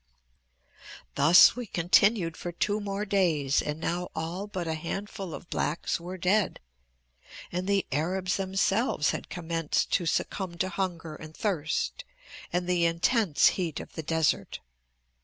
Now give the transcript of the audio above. "Thus we continued for two more days and now all but a handful of blacks were dead, and the Arabs themselves had commenced to succumb to hunger and thirst and the intense heat of the desert.